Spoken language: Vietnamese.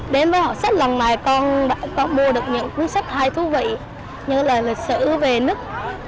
đến với hội sách lần này con đã có con mua được những cuốn sách hay thú vị như là lịch sử về nước